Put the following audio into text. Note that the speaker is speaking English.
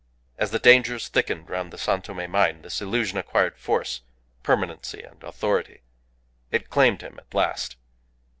As the dangers thickened round the San Tome mine this illusion acquired force, permanency, and authority. It claimed him at last!